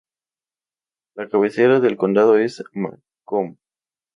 La cabecera del condado es Macomb.